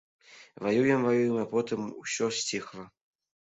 Ваюем-ваюем, а потым усё сціхла.